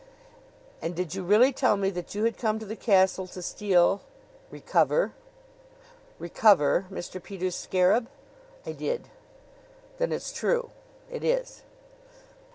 "And did you really tell me that you had come to the castle to steal " "Recover." " Recover Mr. Peters' scarab?" "I did." "Then it's true?" "It is."